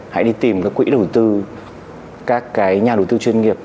hãy đi tìm các quỹ đầu tư các cái nhà đầu tư chuyên nghiệp